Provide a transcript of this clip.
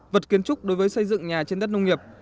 vật kiến trúc đối với xây dựng nhà trên đất nông nghiệp